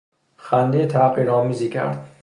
خندهی تحقیر آمیزی کرد.